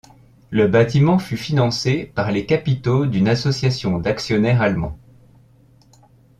Le bâtiment fut financé par les capitaux d'une association d'actionnaires allemands.